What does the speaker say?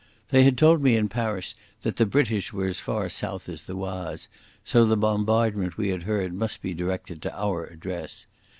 They had told me in Paris that the British were as far south as the Oise, so the bombardment we had heard must be directed to our address.